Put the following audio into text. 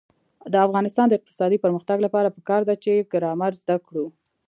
د افغانستان د اقتصادي پرمختګ لپاره پکار ده چې ګرامر زده کړو.